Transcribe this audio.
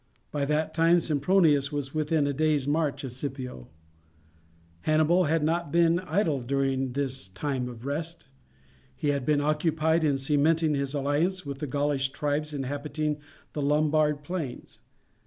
By that time Sempronius was within a day's march of Scipio. Hannibal had not been idle during this time of rest. He had been occupied in cementing his alliance with the Gaulish tribes inhabiting the Lombard plains.